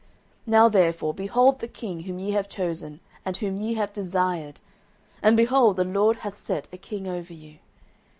09:012:013 Now therefore behold the king whom ye have chosen, and whom ye have desired! and, behold, the LORD hath set a king over you.